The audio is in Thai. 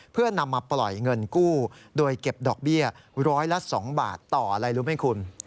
เพื่อนำมาปล่อยเงินกู้โดยเก็บดอกเบี้ยร้อยละ๒บาทต่ออะไรรู้ไหมคุณ